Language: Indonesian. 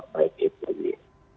baik itu di